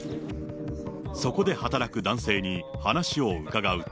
そこで働く男性に話を伺うと。